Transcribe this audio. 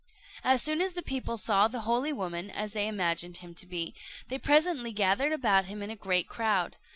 As soon as the people saw the holy woman, as they imagined him to be, they presently gathered about him in a great crowd.